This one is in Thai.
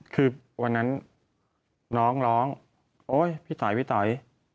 คือวันนั้นน้องร้องโอ๊ยพี่ต๋อย